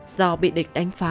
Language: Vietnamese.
do bị địch đánh phá